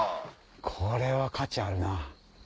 これは価値あるな。